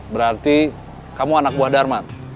berarti kamu anak buah darmat